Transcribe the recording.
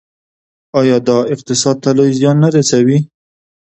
آیا دا اقتصاد ته لوی زیان نه رسوي؟